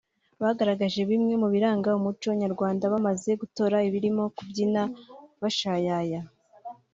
bagaragaje bimwe mu biranga umuco nyarwanda bamaze gutora birimo kubyina bashayaya